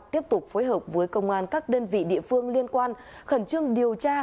tiếp tục phối hợp với công an các đơn vị địa phương liên quan khẩn trương điều tra